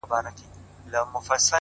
د دې وطن د هر يو گل سره کي بد کړې وي’